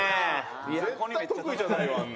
絶対得意じゃないわあん